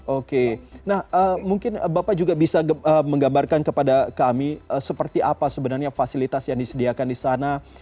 oke nah mungkin bapak juga bisa menggambarkan kepada kami seperti apa sebenarnya fasilitas yang disediakan di sana